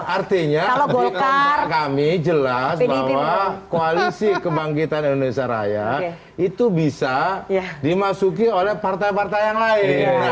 artinya bagi kami jelas bahwa koalisi kebangkitan indonesia raya itu bisa dimasuki oleh partai partai yang lain